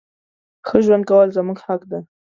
ښه ژوند کول زموږ حق ده.